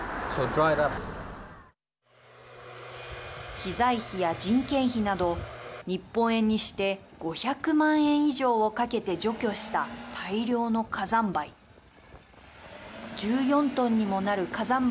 機材費や人件費など日本円にして５００万円以上をかけて除去した大量の火山灰。